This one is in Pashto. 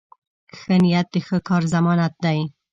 ښه نیت د ښه کار ضمانت دی.